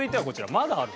まだある？